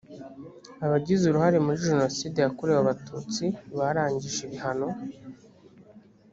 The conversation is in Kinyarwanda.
abagize uruhare muri jenoside yakorewe abatutsi barangije ibihano